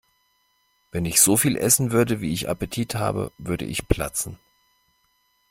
Wenn ich so viel essen würde, wie ich Appetit habe, würde ich platzen.